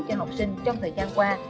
cho học sinh trong thời gian qua